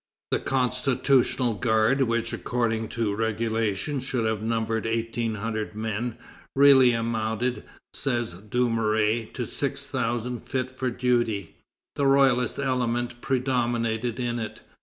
The Constitutional Guard, which according to regulation should have numbered eighteen hundred men, really amounted, says Dumouriez, to six thousand fit for duty. The royalist element predominated in it.